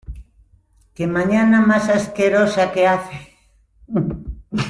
¡Qué mañana más asquerosa que hace!